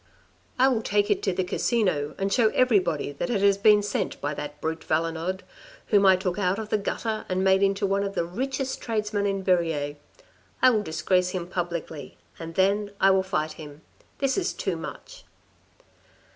" I will take it to the Casino, and shew everybody that it has been sent by that brute Valenod, whom I took out of the gutter and made into one of the richest tradesmen in Verrieres. I will disgrace him publicly, and then I will fight him. This is too much."